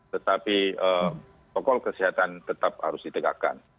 tetapi protokol kesehatan tetap harus ditegakkan